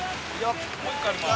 ・もう一個あります。